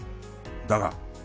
だが。